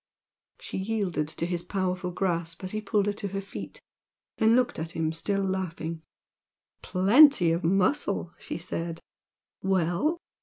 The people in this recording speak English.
She yielded to his powerful grasp as he pulled her to her feet then looked at him still laughing. "Plenty of muscle!" she said "Well?"